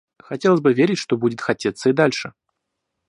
Хотелось бы верить, что будет хотеться и дальше.